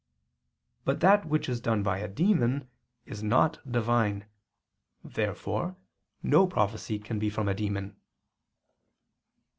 But that which is done by a demon is not Divine. Therefore no prophecy can be from a demon.